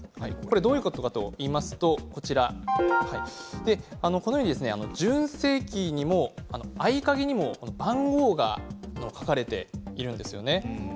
どういうことかといますと純正キーにも合鍵にも番号が書かれているんですよね。